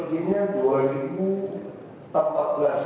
belum jadi wakil gubernur